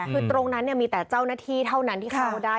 คือตรงนั้นมีแต่เจ้าหน้าที่เท่านั้นที่เข้าได้